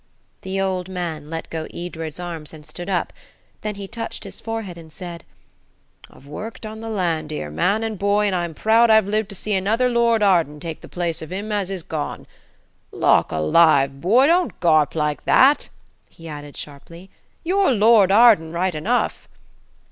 The old man let go Edred's arms and stood up. Then he touched his forehead and said– "I've worked on the land 'ere man and boy, and I'm proud I've lived to see another Lord Arden take the place of him as is gone. Lauk alive, boy, don't garp like that," he added sharply. "You're Lord Arden right enough."